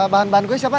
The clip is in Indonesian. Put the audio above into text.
bahan bahan gue siapa